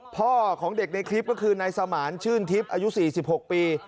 พ่อของเด็กในคลิปก็คือนายสมานชื่นทิพย์อายุ๔๖ปี